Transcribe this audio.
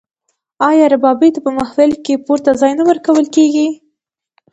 آیا ربابي ته په محفل کې پورته ځای نه ورکول کیږي؟